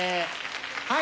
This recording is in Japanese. はい。